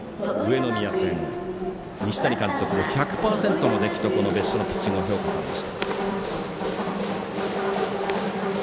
西谷監督、１００％の出来と別所のピッチングを評価されました。